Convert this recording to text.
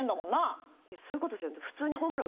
いやそういうことじゃなくて普通にホームラン打てないの。